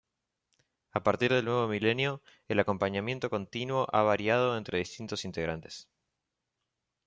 A partir del nuevo milenio, el acompañamiento continuo ha variado entre distintos integrantes.